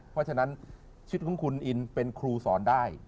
เพราะฉะนั้นชีวิตของคุณอินเป็นครูสอนได้